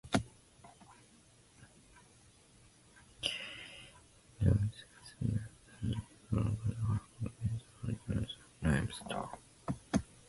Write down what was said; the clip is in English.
Oolitic hematite occurs at Red Mountain near Birmingham, Alabama, along with oolitic limestone.